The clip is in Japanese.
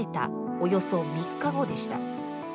およそ３日後でした。